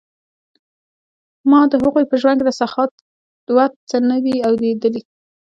ما د هغوی په ژوند کې د سخاوت څه نه دي اوریدلي.